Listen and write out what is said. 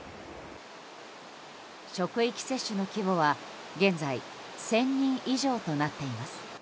職域接種の規模は現在１０００人以上となっています。